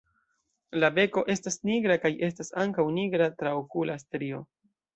La beko estas nigra kaj estas ankaŭ nigra traokula strio.